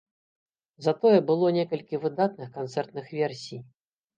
Затое было некалькі выдатных канцэртных версій.